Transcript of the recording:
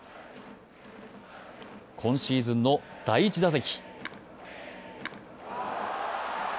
今シーズンの第１打席。